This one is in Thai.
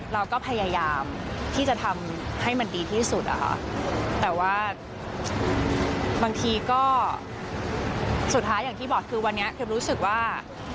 เราก็พยายามที่จะทำให้มันดีที่สุดอะค่ะแต่ว่าบางทีก็สุดท้ายอย่างที่บอกคือวันนี้พิมรู้สึกว่า